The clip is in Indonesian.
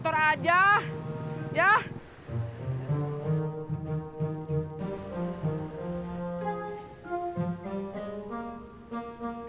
kamu ngambil motor aja